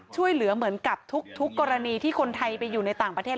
ช่วยเหลือเหมือนกับทุกกรณีที่คนไทยไปอยู่ในต่างประเทศ